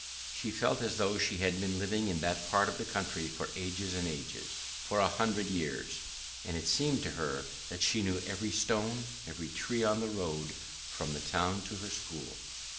She felt as though she had been living in that part of the country for ages and ages, for a hundred years, and it seemed to her that she knew every stone, every tree on the road from the town to her school.